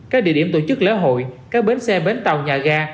các địa điểm tổ chức lễ hội các bến xe bến tàu nhà ga